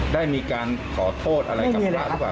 ได้มีการขอโทษอะไรกับพระหรือเปล่า